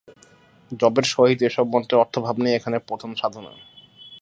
জপের সহিত এই সব মন্ত্রের অর্থভাবনাই এখানে প্রধান সাধনা।